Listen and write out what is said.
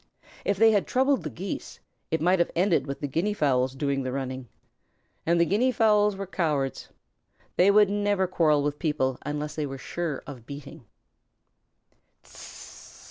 If they had troubled the Geese, it might have ended with the Guinea fowls doing the running. And the Guinea fowls were cowards. They would never quarrel with people unless they were sure of beating.